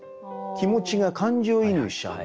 気持ちが感情移入しちゃうんで。